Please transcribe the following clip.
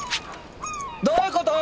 どういうこと？